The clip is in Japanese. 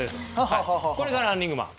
これがランニングマン。